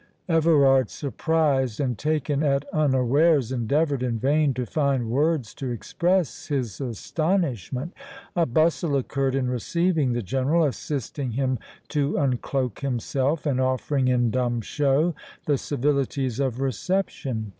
Everard, surprised and taken at unawares, endeavoured in vain to find words to express his astonishment. A bustle occurred in receiving the General, assisting him to uncloak himself, and offering in dumb show the civilities of reception.